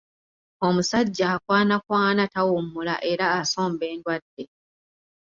Omusajja akwanakwana tawummula era asomba endwadde.